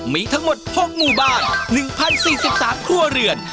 มีทั้งหมด๖หมู่บ้าน๑๐๔๓ครัวเรือน